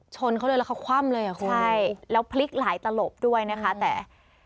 ชนเขาเลยแล้วเขาคว่ำเลยอ่ะคุณใช่แล้วพลิกหลายตลบด้วยนะคะแต่